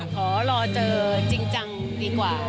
ขอรอเจอจริงจังดีกว่า